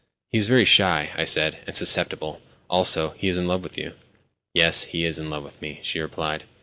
"He is very shy," I said, "and susceptible. Also, he is in love with you." "Yes, he is in love with me," she replied.